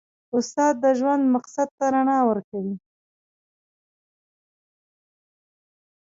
استاد د ژوند مقصد ته رڼا ورکوي.